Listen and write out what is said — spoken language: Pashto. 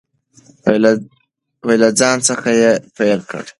له ځان څخه یې پیل کړئ.